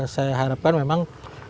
saya harapkan memang